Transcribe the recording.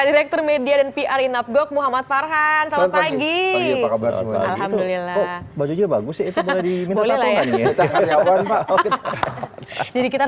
direktur media dan pr inap gok muhammad farhan selamat pagi alhamdulillah bagus itu jadi kita